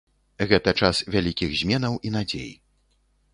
Гэта час вялікіх зменаў і надзей.